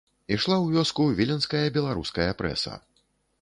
Ішла ў вёску віленская беларуская прэса.